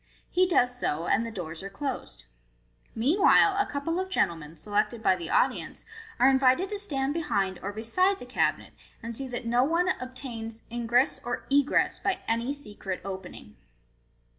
He does so, and the doors are closed. Meanwhile, a couple of gentlemen, selected by the audience, are invited to stand behind or bedde the cabinet, and see that no one obtains ingress or egress by any secret opening.